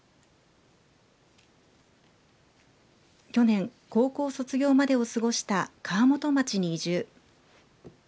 去年、高校卒業までを過ごした川本町に移住。